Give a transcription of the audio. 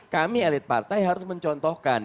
kami elit partai harus mencontohkan